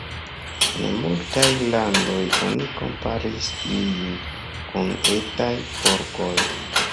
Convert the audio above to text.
En multaj landoj oni komparis ilin kun etaj porkoj.